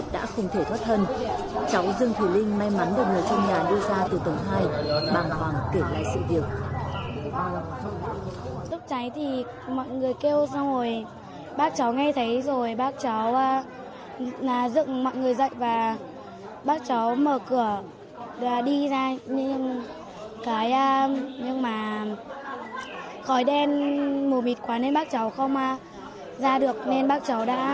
đã không thể thoát thân cháu dương thủy linh may mắn được người trong nhà đưa ra từ tầng hai bằng hoàng kể lại sự việc